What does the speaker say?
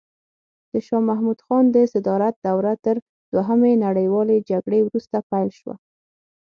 د شاه محمود خان د صدارت دوره تر دوهمې نړیوالې جګړې وروسته پیل شوه.